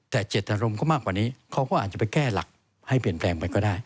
แต่เจตนารมณ์ก็มากกว่านี้เขาก็อาจจะไปแก้หลักให้เปลี่ยนแปลงไปก็ได้